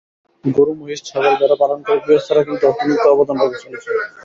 গরু, মহিষ, ছাগল, ভেড়া পালনকারী গৃহস্থেরা কিন্তু অর্থনীতিতে অবদান রেখে চলেছেন।